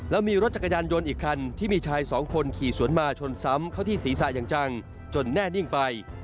แล้วมีรถจักรยานยนต์อีกคันที่มีชายสองคนขี่สวนมาชนซ้ำเข้าที่ศีรษะอย่างจังจนแน่นิ่งไป